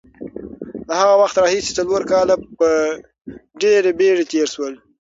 له هغه وخته راهیسې څلور کاله په ډېرې بېړې تېر شول.